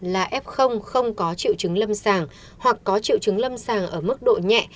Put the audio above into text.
là f không có triệu chứng lâm sàng hoặc có triệu chứng lâm sàng ở mức độ nhẹ